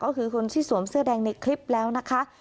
ก็คือคนที่สวมเสื้อแดงในคลิปแล้วนะคะ